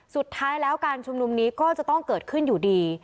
สุดท้ายแล้วการชุมนุมนี้ก็จะต้องเกิดขึ้นอยู่ดี